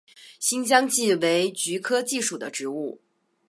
新疆蓟为菊科蓟属的植物。